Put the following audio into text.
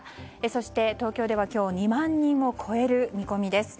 そして東京では今日２万人を超える見込みです。